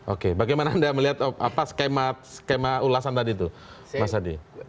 oke bagaimana anda melihat skema ulasan tadi itu mas adi